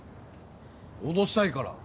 脅したいから。